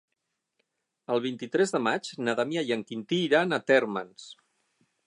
El vint-i-tres de maig na Damià i en Quintí iran a Térmens.